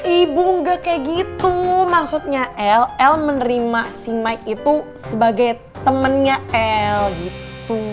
ibu enggak kayak gitu maksudnya el el menerima si mike itu sebagai temennya el gitu